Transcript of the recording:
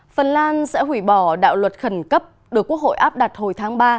phần lan sẽ hủy bỏ đạo luật khẩn cấp được quốc hội áp đặt hồi tháng ba